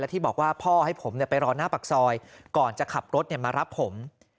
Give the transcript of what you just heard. ที่บอกว่าพ่อให้ผมไปรอหน้าปากซอยก่อนจะขับรถมารับผม